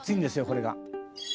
これが」